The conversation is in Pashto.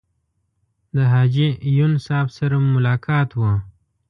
د حاجي یون صاحب سره مو ملاقات و.